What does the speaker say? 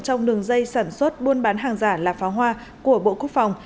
trong đường dây sản xuất buôn bán hàng giả là pháo hoa của bộ quốc phòng